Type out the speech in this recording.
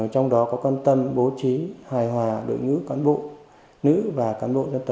trong đó có quan tâm bố trí hài hòa